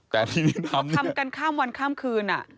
แต่ทีนี้เขาทำกันข้ามวันข้ามคืน